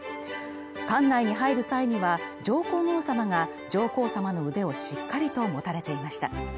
館内に入る際には、上皇后さまが上皇さまの腕をしっかりと持たれていました。